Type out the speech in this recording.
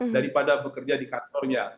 daripada bekerja di kantornya